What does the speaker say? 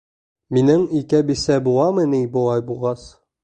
Минең ике бисә буламы ни былай булғас?